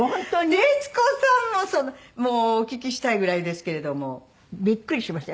徹子さんももうお聞きしたいぐらいですけれども。びっくりしました。